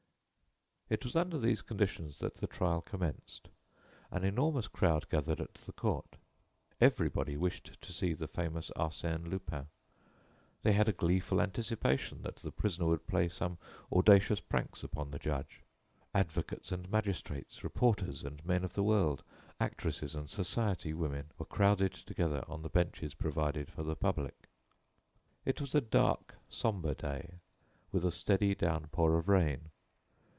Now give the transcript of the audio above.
It was under these conditions that the trial commenced. An enormous crowd gathered at the court. Everybody wished to see the famous Arsène Lupin. They had a gleeful anticipation that the prisoner would play some audacious pranks upon the judge. Advocates and magistrates, reporters and men of the world, actresses and society women were crowded together on the benches provided for the public. It was a dark, sombre day, with a steady downpour of rain.